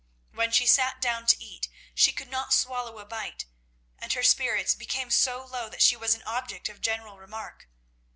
When she sat down to eat she could not swallow a bite, and her spirits became so low that she was an object of general remark.